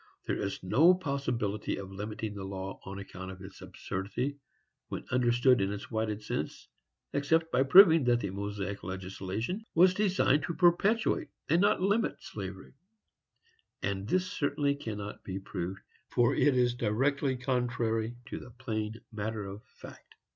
There is no possibility of limiting the law, on account of its absurdity, when understood in its widest sense, except by proving that the Mosaic legislation was designed to perpetuate and not to limit slavery; and this certainly cannot be proved, for it is directly contrary to the plain matter of fact.